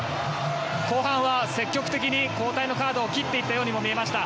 後半は積極的に交代のカードを切っていたようにも見えました。